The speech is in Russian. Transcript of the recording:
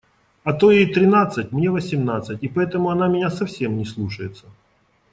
А то ей тринадцать, мне – восемнадцать, и поэтому она меня совсем не слушается.